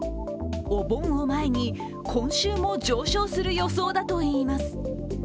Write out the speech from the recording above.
お盆を前に、今週も上昇する予想だといいます。